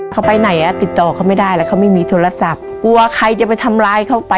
เขาไปไหนอ่ะติดต่อเขาไม่ได้แล้วเขาไม่มีโทรศัพท์กลัวใครจะไปทำร้ายเขาไป